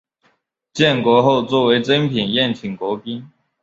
建国后作为珍品宴请国宾。